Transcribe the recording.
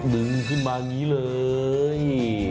นึกที่มานี้เลย